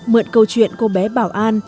mượn câu chuyện cô bé bảo an